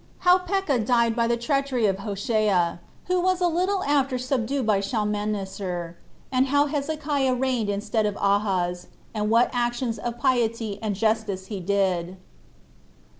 How Pekah Died By The Treachery Of Hoshea Who Was A Little After Subdued By Shalmaneser; And How Hezekiah Reigned Instead Of Ahaz; And What Actions Of Piety And Justice He Did.